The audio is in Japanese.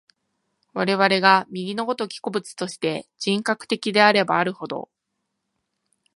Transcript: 我々が右の如き個物として、人格的であればあるほど、